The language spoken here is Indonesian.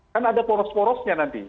kan ada poros porosnya nanti